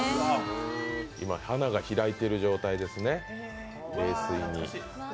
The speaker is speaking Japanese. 今、花が開いている状態ですね、冷水で。